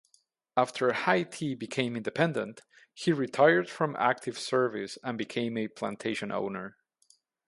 After Haiti became independent, he retired from active service and became a plantation owner.